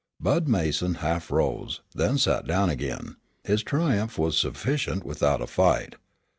Bud Mason half rose, then sat down again; his triumph was sufficient without a fight.